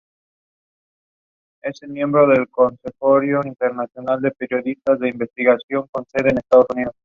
Es una de las variaciones nacionales del Alfabeto Cirílico.